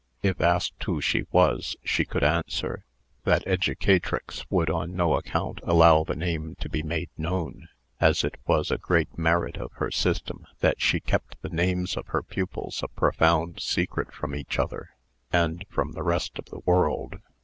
If asked who she was, she could answer, that "Educatrix" would on no account allow the name to be made known, as it was a great merit of her system that she kept the names of her pupils a profound secret from each other, and from the rest of the world.